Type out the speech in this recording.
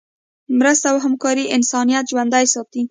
مرسته او همکاري انسانیت ژوندی ساتي.